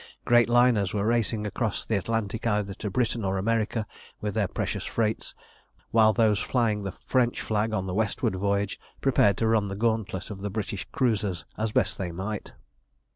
Great liners were racing across the Atlantic either to Britain or America with their precious freights, while those flying the French flag on the westward voyage prepared to run the gauntlet of the British cruisers as best they might.